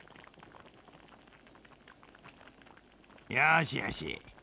よしよし。